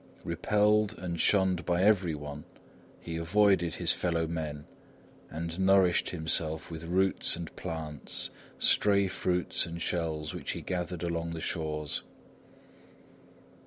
Repelled and shunned by everyone, he avoided his fellow men and nourished himself with roots and plants, stray fruits and shells which he gathered along the shores.